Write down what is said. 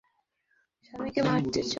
নিজের স্বামীকে মারতে চাও?